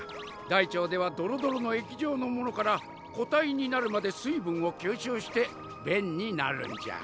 大腸ではドロドロの液状のものから個体になるまで水分を吸収して便になるんじゃ。